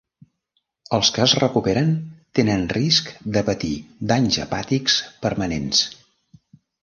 Els que es recuperen tenen risc de patir danys hepàtics permanents.